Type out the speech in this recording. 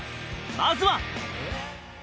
まずは